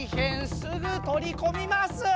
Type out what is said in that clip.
すぐとりこみます！